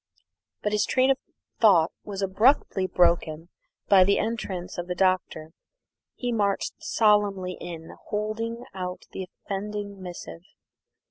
But his train of thought was abruptly broken by the entrance of the Doctor. He marched solemnly in, holding out the offending missive.